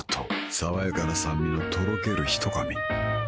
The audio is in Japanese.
爽やかな酸味のとろけるひと噛み